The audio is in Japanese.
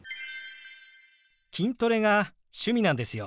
筋トレが趣味なんですよ。